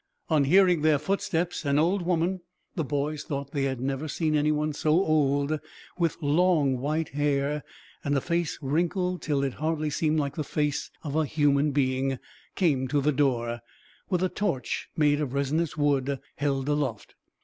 On hearing their footsteps an old woman the boys thought they had never seen anyone so old with long white hair, and a face wrinkled till it hardly seemed like the face of a human being, came to the door, with a torch made of resinous wood held aloft.